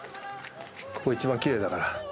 ここ、一番きれいだから。